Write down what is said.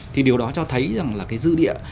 thì điều đó cho thấy là dư địa